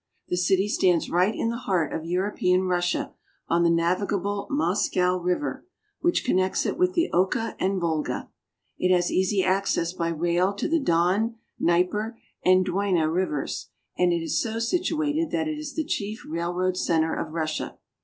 The city stands right in the heart of European Russia, on Moscow. the navigable Moscow River, which connects it with the Oka and Volga. It has easy access by rail to the Don, Dnieper, and Dwina rivers, and is so situated that it is the chief railroad center of Russia.